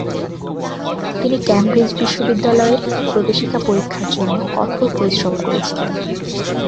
তিনি ক্যামব্রিজ বিশ্ববিদ্যালয়ের প্রবেশিকা পরীক্ষার জন্য কঠোর পরিশ্রম করেছিলেন।